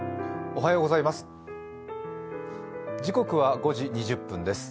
おはようございます。